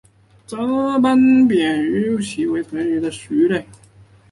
杂斑扁尾鲀为鲀科扁尾鲀属的鱼类。